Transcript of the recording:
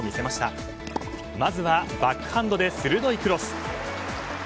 まずはバックハンドで鋭いクロス。